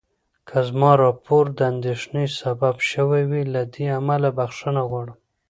که زما راپور د اندېښنې سبب شوی وي، له دې امله بخښنه غواړم.